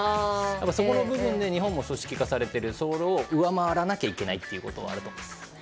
そこの部分で日本も組織化されているそれを上回らないといけないのはあると思います。